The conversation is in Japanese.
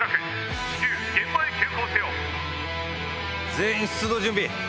全員出動準備！